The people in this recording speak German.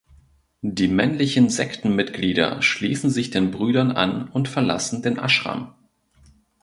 Die männlichen Sektenmitglieder schließen sich den Brüdern an und verlassen den Ashram.